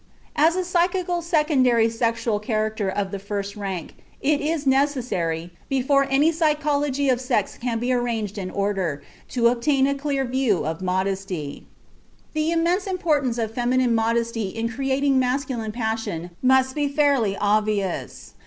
As a psychical secondary sexual character of the first rank, it is necessary, before any psychology of sex can be arranged in order, to obtain a clear view of modesty. The immense importance of feminine modesty in creating masculine passion must be fairly obvious.